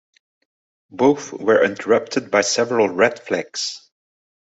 Both were interrupted by several red flags.